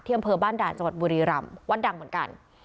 อำเภอบ้านด่านจังหวัดบุรีรำวัดดังเหมือนกัน